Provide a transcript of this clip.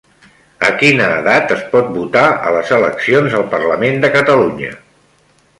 A quina edat es pot votar a les eleccions al Parlament de Catalunya?